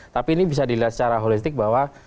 tapi ini bisa dilihat secara holistik bahwa